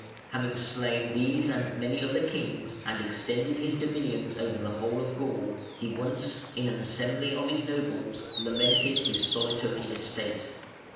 Having slain these and many other kings, and extended his dominions over the whole of Gaul, he once, in an assembly of his nobles, lamented his solitary estate.